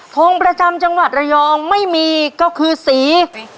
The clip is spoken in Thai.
ทงประจำจังหวัดระยองไม่มีก็คือสี